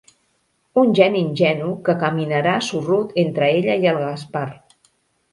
Un geni ingenu que caminarà sorrut entre ella i el Gaspar.